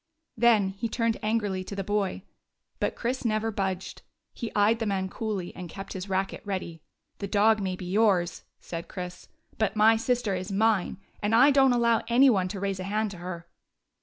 Then he turned angrily to the boy. But Chris never budged. He eyed the man coolly and kept his racket ready. "The dog may be yours," said Chris, "but my sister is mine. And I don't allow any one to raise a hand to her."